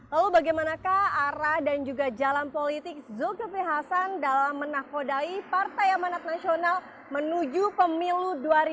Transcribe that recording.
lalu bagaimanakah arah dan juga jalan politik zulkifli hasan dalam menakodai partai amanat nasional menuju pemilu dua ribu dua puluh